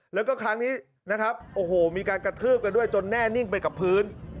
แล้วก็ครั้งนี้นะครับโอ้โหมีการกระทืบกันด้วยจนแน่นิ่งไปกับพื้น